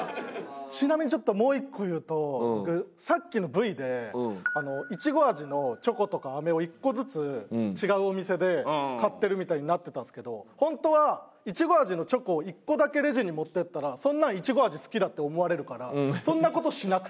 ちなみにちょっともう１個言うと僕さっきのＶでイチゴ味のチョコとか飴を１個ずつ違うお店で買ってるみたいになってたんですけど本当はイチゴ味のチョコを１個だけレジに持っていったらそんなんイチゴ味好きだって思われるからそんな事しなくて。